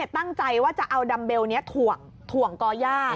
ตั้งใจว่าจะเอาดัมเบลนี้ถ่วงก่อย่า